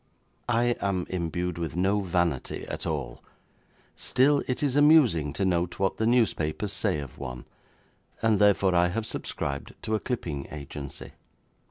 I am imbued with no vanity at all; still it is amusing to note what the newspapers say of one, and therefore I have subscribed to a clipping agency.